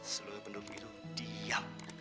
seluruh penduduk itu diam dan segetika